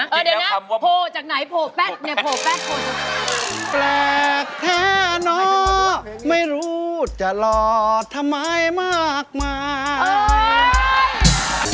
โพพร์แป๊ตแป๊ตแท้นะไม่รู้จะโหลดทำไมมากมาย